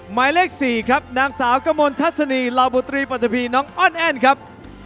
หมายเลข๔ครับนางสาวกมลทัศนีลาบุรีปัตตะพีน้องอ้อนแอ้นครับ